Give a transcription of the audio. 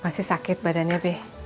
masih sakit badannya be